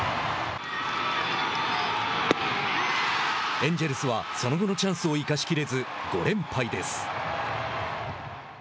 エンジェルスはその後のチャンスを生かし切れず５連敗です。